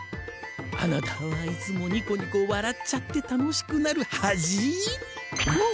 あなたはいつもにこにこわらっちゃって楽しくなるハジ！